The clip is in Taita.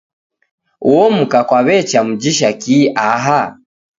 Uo mka kwaw'echa mujisha kii aha?